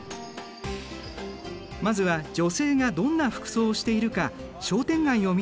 まずは女性がどんな服装をしているか商店街を見てみよう。